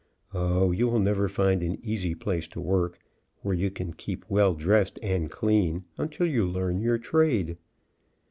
Oh, you will never find an easy place to work, where you can keep well dressed and clean, until you learn your trade.